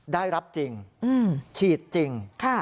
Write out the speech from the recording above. ได้รับจริงฉีดจริง